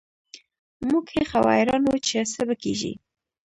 موږ هېښ او حیران وو چې څه به کیږي